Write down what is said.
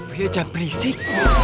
will jangan berisik